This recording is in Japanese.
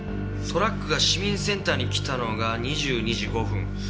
トラックが市民センターに来たのが２２時５分。